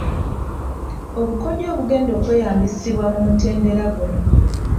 Obukodyo obugenda okweyambisibwa mu mutendera guno.